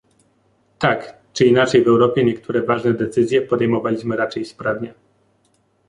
Tak, czy inaczej w Europie niektóre ważne decyzje podejmowaliśmy raczej sprawnie